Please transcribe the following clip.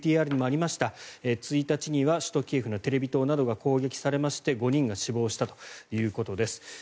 ＶＴＲにもありました１日には首都キエフのテレビ塔などが攻撃されまして５人が死亡したということです。